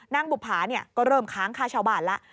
บุภาก็เริ่มค้างค่าชาวบ้านแล้ว